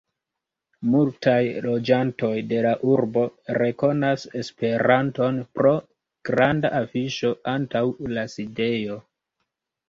Multaj loĝantoj de la urbo rekonas Esperanton pro granda afiŝo antaŭ la sidejo.